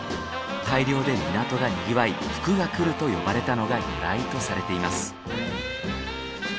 大漁で港がにぎわい福が来ると呼ばれたのが由来とされています。